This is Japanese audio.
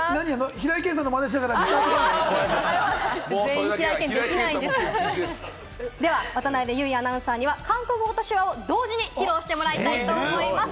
平井堅さんのまねしながら、歌ってくれるの？では渡邉結衣アナウンサーには韓国語と手話を同時に披露してもらおうと思います。